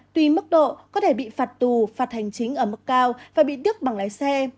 tuy mức độ có thể bị phạt tù phạt hành chính ở mức cao và bị tước bằng lái xe